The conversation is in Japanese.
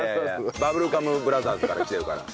バブルガム・ブラザーズからきてるから。